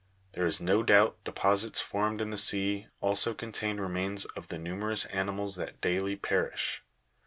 There is no doubt deposits formed in the sea also contain remains of the numerous animals that daily perish.